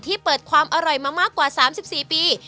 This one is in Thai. เปิดความอร่อยมามากกว่า๓๔ปี